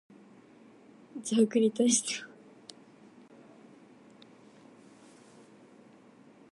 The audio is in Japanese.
けれども邪悪に対しては、人一倍に敏感であった。